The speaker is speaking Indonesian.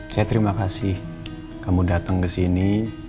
saya terima kasih kamu datang ke sini